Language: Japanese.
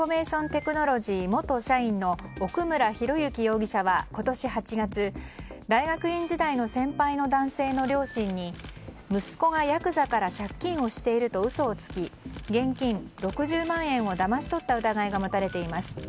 テクノロジー元社員の奥村啓志容疑者は今年８月大学院時代の先輩の男性の両親に息子がやくざから借金をしていると嘘をつき現金６０万円をだまし取った疑いが持たれています。